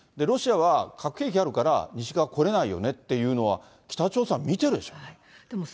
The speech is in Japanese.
ロシアは、核兵器あるから、西側は来れないよねっていうのは、北朝鮮は見てるでしょ。